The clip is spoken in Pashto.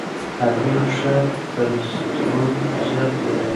هګۍ ښه کلسترول زیات لري.